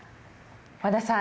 和田さん